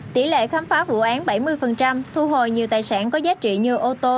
tỷ lệ khám phá vụ án bảy mươi thu hồi nhiều tài sản có giá trị như ô tô